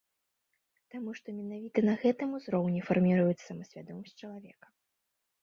Таму што менавіта на гэтым узроўні фарміруецца самасвядомасць чалавека.